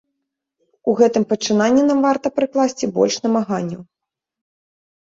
У гэтым пачынанні нам варта прыкласці больш намаганняў.